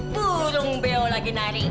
burung beo lagi nari